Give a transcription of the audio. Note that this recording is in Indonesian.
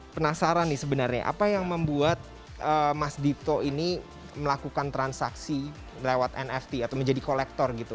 penasaran nih sebenarnya apa yang membuat mas dito ini melakukan transaksi lewat nft atau menjadi kolektor gitu